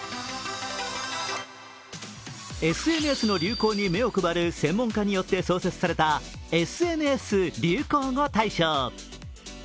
ＳＮＳの流行に目を配る専門家によって創設された、ＳＮＳ流行語大賞。